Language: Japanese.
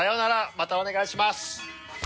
またお願いします。